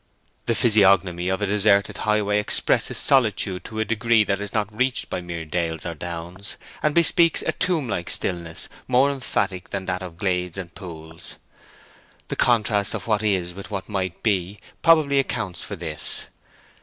The physiognomy of a deserted highway expresses solitude to a degree that is not reached by mere dales or downs, and bespeaks a tomb like stillness more emphatic than that of glades and pools. The contrast of what is with what might be probably accounts for this.